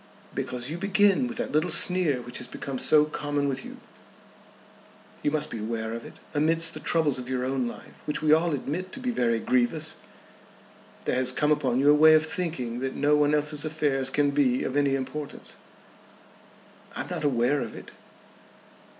"Because you begin with that little sneer which has become so common with you. You must be aware of it. Amidst the troubles of your own life, which we all admit to be very grievous, there has come upon you a way of thinking that no one else's affairs can be of any importance." "I am not aware of it."